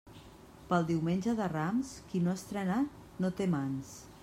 Pel diumenge de Rams, qui no estrena no té mans.